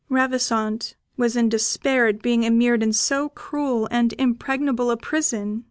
Ravissante was in despair at being immured in so cruel and impregnable a prison.